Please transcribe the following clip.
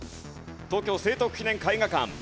東京聖徳記念絵画館。